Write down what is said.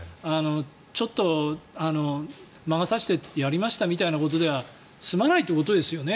ちょっと魔が差してやりましたみたいなことでは済まないということですよね。